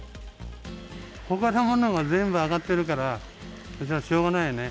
ほかのものも全部上がってるから、しょうがないよね。